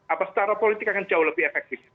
apa secara politik akan jauh lebih efektif